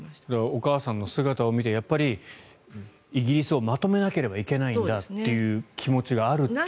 お母さんの姿を見てイギリスをまとめなければいけないんだという気持ちがあるという。